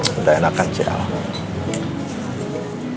nggak enakan sih alam